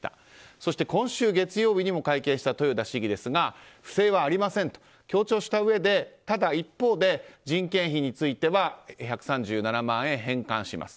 そして今週月曜日にも会見した豊田市議ですが不正はありませんと強調したうえでただ一方で人件費については１３７万円返還します。